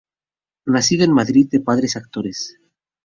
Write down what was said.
Nacido en Madrid de padres actores.